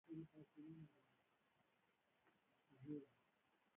ما هم همداسې وګڼه، زه تنګ شوی نه یم.